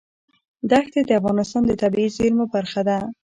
دښتې د افغانستان د طبیعي زیرمو برخه ده.